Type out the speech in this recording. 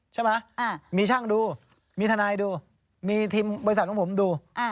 ใช่ไหมมีช่างดูมีทนายดูมีทีมบริษัทของผมดู